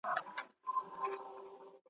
چي په شپه د پسرلي کي به باران وي `